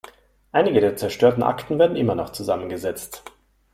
Einige der zerstörten Akten werden immer noch zusammengesetzt.